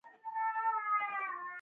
الکانو ته ودونه وکئ لېوني شوه خواران.